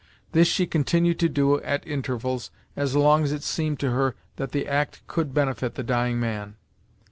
This she continued to do, at intervals, as long as it seemed to her that the act could benefit the dying man.